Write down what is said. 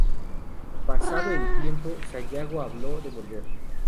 Pasado el tiempo, Sayago habló de volver.